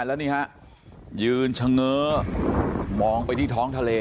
แล้วนี่ฮะยืนเฉง้อมองไปที่ท้องทะเล